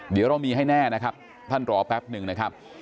เดี๋ยวเรามีให้แน่นะครับท่านรอแป๊บหนึ่งนะครับ